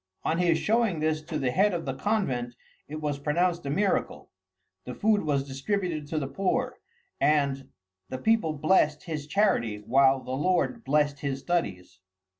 On his showing this to the head of the convent, it was pronounced a miracle; the food was distributed to the poor, and "the people blessed his charity while the Lord blessed his studies."